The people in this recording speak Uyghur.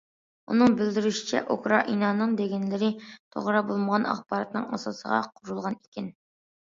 ئۇنىڭ بىلدۈرۈشىچە، ئۇكرائىنانىڭ دېگەنلىرى« توغرا بولمىغان ئاخباراتنىڭ ئاساسىغا» قۇرۇلغان ئىكەن.